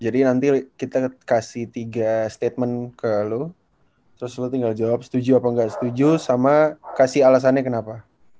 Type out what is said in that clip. jadi nanti kita kasih tiga statement ke lu terus lu tinggal jawab setuju apa nggak setuju sama kasih alasannya kenapa